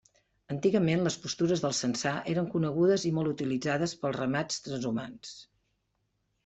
Antigament les pastures de Censà eren conegudes i molt utilitzades pels ramats transhumants.